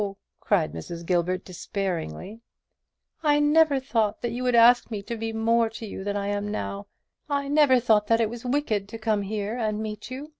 cried Mrs. Gilbert, despairingly, "I never thought that you would ask me to be more to you than I am now: I never thought that it was wicked to come here and meet you.